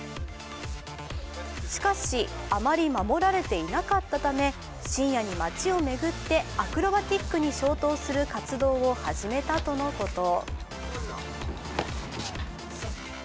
しかし、あまり守られていなかったため、深夜に街を巡ってアクロバティックに消灯する活動を始めたとのこと。